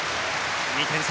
２点差。